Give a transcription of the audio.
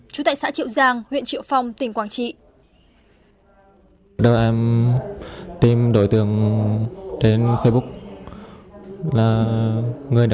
trú tại xã triệu giang huyện triệu phong tỉnh quảng trị